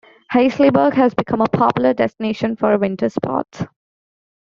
Hasliberg has become a popular destination for winter sports.